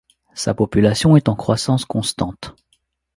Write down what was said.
Sa population est en croissance constante.